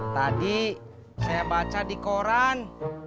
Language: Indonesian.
tadi saya baca di koran